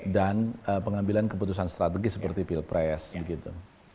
dan pengambilan keputusan strategis seperti pilpres gitu